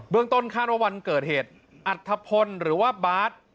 เบื้องต้นข้าววันเกิดเหตุอัธพลหรือว่าบาท